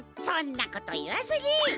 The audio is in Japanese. そんなこといわずに。